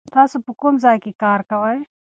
تاسو په کوم ځای کې کار کوئ؟